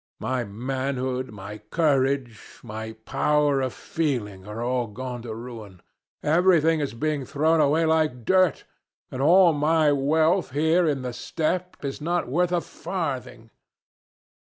My manhood, my courage, my power of feeling are going to ruin.... Everything is being thrown away like dirt, and all my wealth here in the steppe is not worth a farthing."